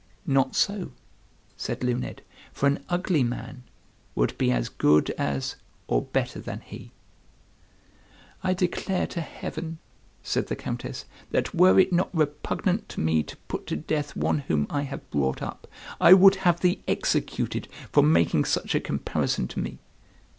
"Not so," said Luned, "for an ugly man would be as good as or better than he." "I declare to Heaven," said the Countess, "that were it not repugnant to me to put to death one whom I have brought up, I would have thee executed for making such a comparison to me.